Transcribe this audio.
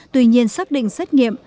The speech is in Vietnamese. tuy nhiên xác định xét nghiệm